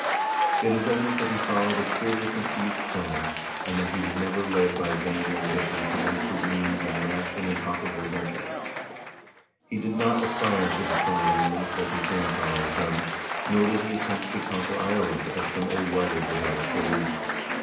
It is evident that he followed a clearly conceived plan, and that he was never led by vain ambition to waste his means in rash and impossible adventures. He did not aspire to the throne of England, like his grandfather had done, nor did he attempt to conquer Ireland, as some old writers would have us believe.